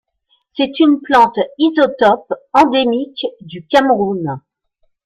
C'est une plante isotope endémique du Cameroun.